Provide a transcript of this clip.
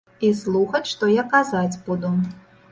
І слухаць, што я казаць буду.